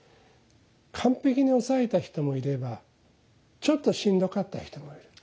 完璧に抑えた人もいればちょっとしんどかった人もいる。